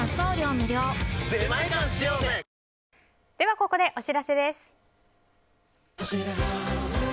ここでお知らせです。